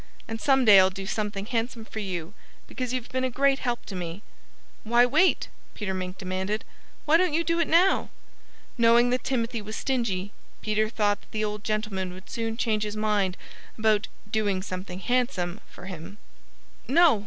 And some day I'll do something handsome for you, because you've been a great help to me." "Why wait?" Peter Mink demanded. "Why don't you do it now?" Knowing that Timothy was stingy, Peter thought that the old gentleman would soon change his mind about "doing something handsome" for him. "No!"